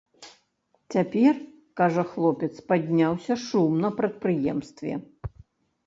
Цяпер, кажа хлопец, падняўся шум на прадпрыемстве.